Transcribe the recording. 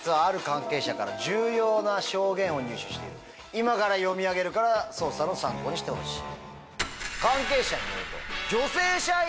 今から読み上げるから捜査の参考にしてほしい。